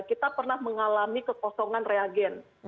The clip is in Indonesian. kita pernah mengalami kekosongan reagen